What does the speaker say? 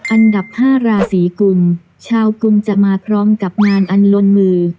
อันดับ๕ราศีกุมชาวกุมจะมาพร้อมกับงานอันลนมือ